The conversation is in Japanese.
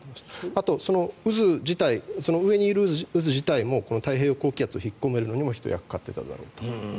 あと、その上にいる渦自体も太平洋高気圧を引っ込めるのにもひと役買っていただろうと。